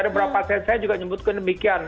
ada beberapa saya juga nyebutkan demikian